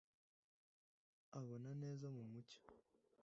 abona neza mu mucyo